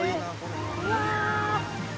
うわ